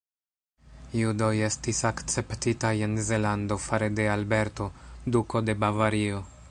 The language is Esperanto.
Judoj estis akceptitaj en Zelando fare de Alberto, Duko de Bavario.